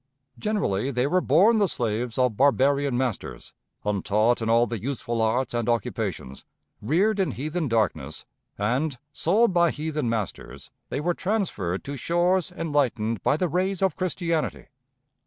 Generally they were born the slaves of barbarian masters, untaught in all the useful arts and occupations, reared in heathen darkness, and, sold by heathen masters, they were transferred to shores enlightened by the rays of Christianity.